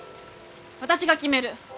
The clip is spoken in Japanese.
私が決める。